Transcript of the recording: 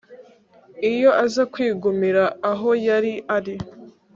Iyo aza kwigumira aho yari ari